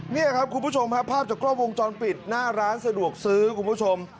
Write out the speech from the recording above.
นี่ครับคุณผู้ชมครับภาพจากกล้องวงจรปิดหน้าร้านสะดวกซื้อคุณผู้ชม